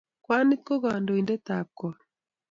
Kwanit ko kandoindet ab kot